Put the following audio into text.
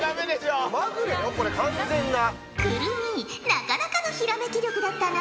なかなかのひらめき力だったな。